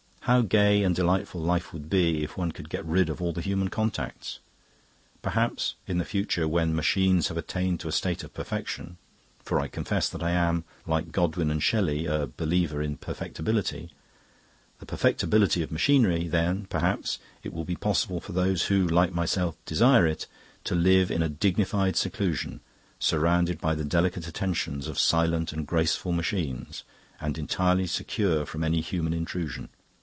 How gay and delightful life would be if one could get rid of all the human contacts! Perhaps, in the future, when machines have attained to a state of perfection for I confess that I am, like Godwin and Shelley, a believer in perfectibility, the perfectibility of machinery then, perhaps, it will be possible for those who, like myself, desire it, to live in a dignified seclusion, surrounded by the delicate attentions of silent and graceful machines, and entirely secure from any human intrusion.